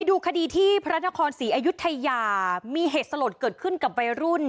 ดูคดีที่พระนครศรีอยุธยามีเหตุสลดเกิดขึ้นกับวัยรุ่น